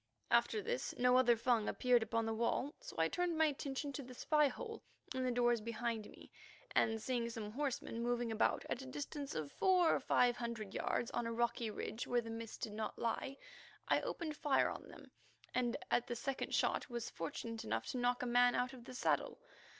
After this no other Fung appeared upon the wall, so I turned my attention to the spy hole in the doors behind me, and seeing some horsemen moving about at a distance of four or five hundred yards on a rocky ridge where the mist did not lie, I opened fire on them and at the second shot was fortunate enough to knock a man out of the saddle.